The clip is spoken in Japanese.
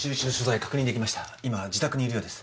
今自宅にいるようです。